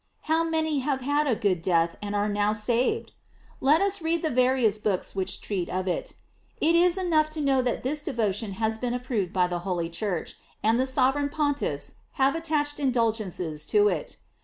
How many hav« had a good death and are now saved! Let us read the various books which treat of it; it ia enough to know that this devotion has been ap proved by the holy Church, and the sovereign Pontiffs have attached indulgences to it.